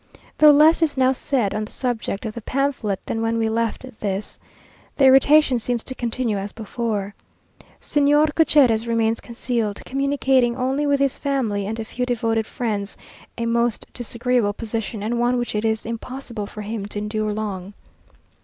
Though less is now said on the subject of the pamphlet than when we left this, the irritation seems to continue as before. Señor Gutierrez remains concealed, communicating only with his family and a few devoted friends; a most disagreeable position, and one which it is impossible for him to endure long.